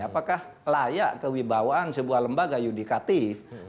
apakah layak kewibawaan sebuah lembaga yudikatif